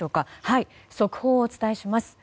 速報をお伝えします。